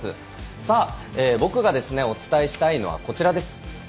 さあ僕がお伝えしたいのはこちらです。